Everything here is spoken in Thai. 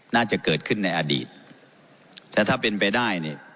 น่าจะเกิดขึ้นในอดีตแต่ถ้าเป็นไปได้เนี่ย